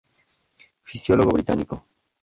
Fisiólogo británico.